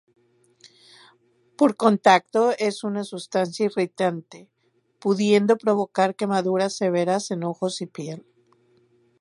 Por contacto es una sustancia irritante, pudiendo provocar quemaduras severas en ojos y piel.